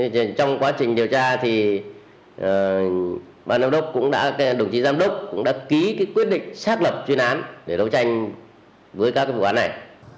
trong quá trình điều tra thì đồng chí giám đốc cũng đã ký quyết định xác lập chuyên án để đấu tranh với các vụ án này